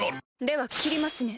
では斬りますね。